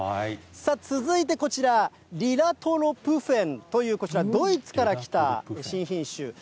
続いてこちら、リラトロプフェンというこちら、ドイツから来た新品種。